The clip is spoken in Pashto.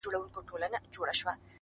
زحمت د بریا بنسټ کلکوي’